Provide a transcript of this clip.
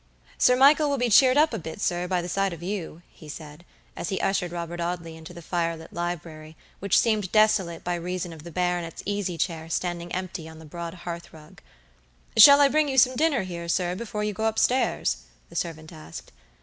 "Sir Michael will be cheered up a bit, sir, by the sight of you," he said, as he ushered Robert Audley into the fire lit library, which seemed desolate by reason of the baronet's easy chair standing empty on the broad hearth rug. "Shall I bring you some dinner here, sir, before you go up stairs?" the servant asked.